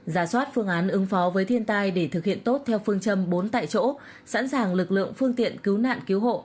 giả soát phương án ứng phó với thiên tai để thực hiện tốt theo phương châm bốn tại chỗ sẵn sàng lực lượng phương tiện cứu nạn cứu hộ